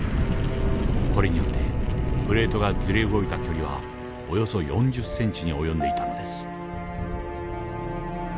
これによってプレートがずれ動いた距離はおよそ４０ｃｍに及んでいたのです。